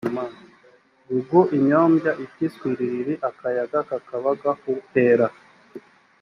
gugu inyombya iti swiririri akayaga kaba gahuhera